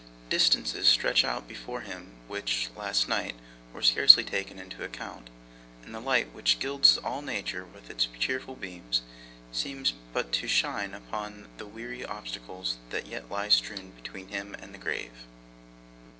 Distances stretch out before him which, last night, were scarcely taken into account, and the light which gilds all nature with its cheerful beams, seems but to shine upon the weary obstacles that yet lie strewn between him and the grave.